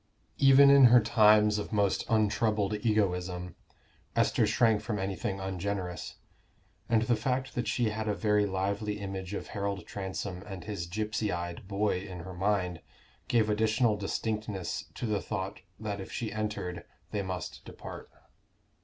Even in her times of most untroubled egoism, Esther shrank from anything ungenerous; and the fact that she had a very lively image of Harold Transome and his gypsy eyed boy in her mind, gave additional distinctness to the thought that if she entered they must depart.